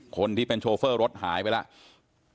คนที่เป็นโชเฟอร์รถหายไปแล้ว